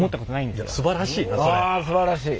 わあすばらしい。